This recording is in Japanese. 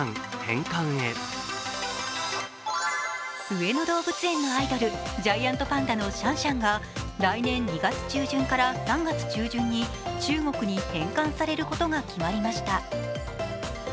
上野動物園のアイドル・ジャイアントパンダのシャンシャンが来年２月中旬から３月中旬に中国に返還されることが決まりました。